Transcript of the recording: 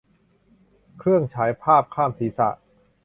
เครื่องฉายภาพข้ามศีรษะ